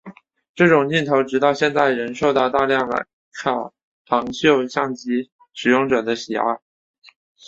这种镜头直到现在仍受到大量莱卡旁轴相机使用者的喜爱。